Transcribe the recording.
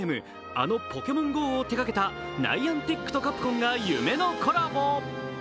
あの「ポケモンＧＯ」を手がけたＮｉａｎｔｉｃとカプコンが夢のコラボ。